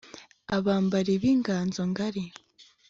abambarib'inganzo ngari